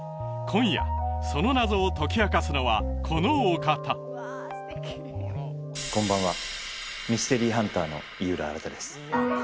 今夜その謎を解き明かすのはこのお方こんばんはミステリーハンターの井浦新です